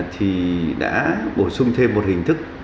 thì đã bổ sung thêm một hình thức